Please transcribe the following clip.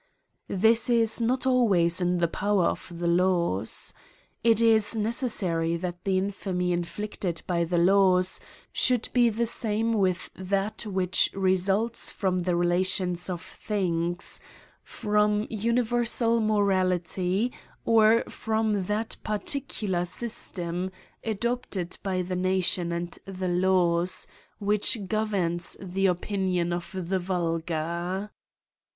This is not always in the power of the laws. It is necessary that the infamy inflicted by the laws should be the same with that which re sults front the relations of things, from universal morality, or from that particular system, adopted by the natJbn and the laws, which governs the opinion of the vulgar.